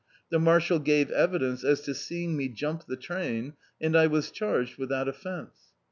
The marshal gave evidence as to seeing me jump the train, and I was charged with that offence.